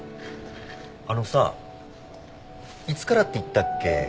あのさあいつからって言ったっけ？